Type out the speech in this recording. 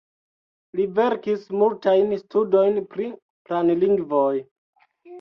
Li verkis multajn studojn pri planlingvoj.